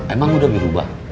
emang udah berubah